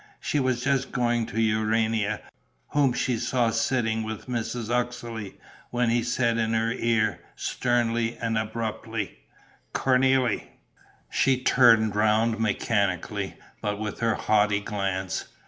She was just going to Urania, whom she saw sitting with Mrs. Uxeley, when he said in her ear, sternly and abruptly: "Cornélie...." She turned round mechanically, but with her haughty glance.